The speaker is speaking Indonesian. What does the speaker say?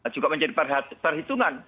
juga menjadi perhitungan